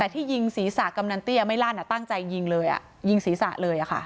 แต่ที่ยิงศีรษะกำนันเตี้ยไม่ลั่นตั้งใจยิงเลยยิงศีรษะเลย